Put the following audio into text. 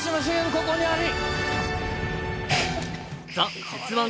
ここにあり。